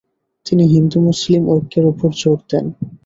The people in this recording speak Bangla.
তিনি হিন্দু-মুসলিম ঐক্যের উপর জোর দেন।